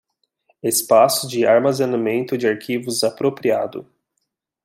Espaço de armazenamento de arquivos apropriado